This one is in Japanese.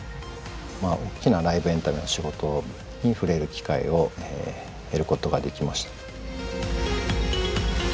大きなライブエンタメの仕事に触れる機会を得ることができました。